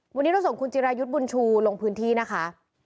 วันนี้เราส่งคุณจิรายุทธ์บุญชูลงพื้นที่นะคะ